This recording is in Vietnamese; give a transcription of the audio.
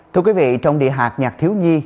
thưa quý vị trong địa hạt nhạc thiếu nhi